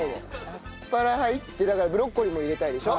アスパラ入ってだからブロッコリーも入れたいでしょ？